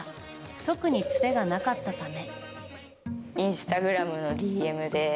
特につてがなかったため。